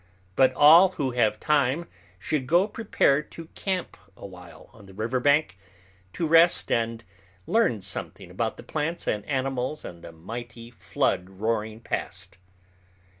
But all who have time should go prepared to camp awhile on the riverbank, to rest and learn something about the plants and animals and the mighty flood roaring past.